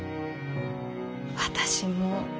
私も。